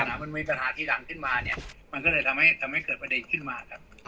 ปัญหามันมีปัญหาที่ดังขึ้นมาเนี่ยมันก็เลยทำให้เกิดประเด็นขึ้นมาครับ